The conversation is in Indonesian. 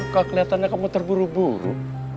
kok kelihatannya kamu terburu buru